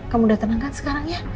kamu udah tenang kan sekarang ya